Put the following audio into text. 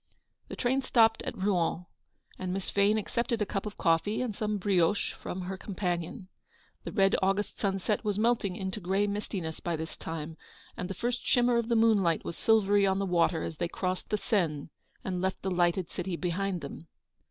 The train stopped at Rouen, and Miss Vane accepted a cup of coffee and some brioches from her companion. The red August sunset was melting into grey mistiness by this time, and the GOING HOME. IP, first shimmer of the moonlight was silvery on the water as they crossed the Seine and left the lighted city behind them.